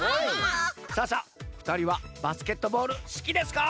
さあさあふたりはバスケットボールすきですか？